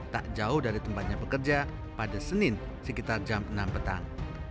tak jauh dari tempatnya bekerja pada senin sekitar jam enam petang